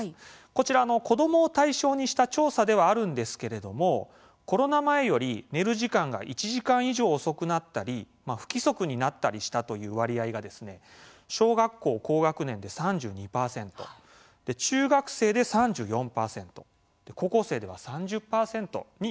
こちらの子どもを対象にした調査ではあるんですけれどもコロナ前より、寝る時間が１時間以上遅くなったり不規則になったりしたという割合が小学校高学年で３２％中学生で３４％高校生では３０％に上っています。